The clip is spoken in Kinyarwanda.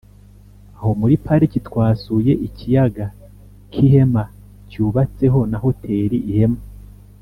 aho muri pariki twasuye ikiyaga k’ihema cyubatseho na hoteri ihema